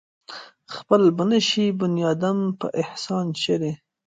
خپل به نشي بنيادم پۀ احسان چرې